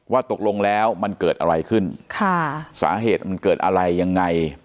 ตกลงแล้วมันเกิดอะไรขึ้นค่ะสาเหตุมันเกิดอะไรยังไง